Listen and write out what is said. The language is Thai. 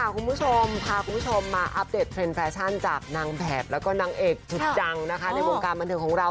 คุณผู้ชมพาคุณผู้ชมมาอัปเดตเทรนด์แฟชั่นจากนางแบบแล้วก็นางเอกชุดดังนะคะในวงการบันเทิงของเรา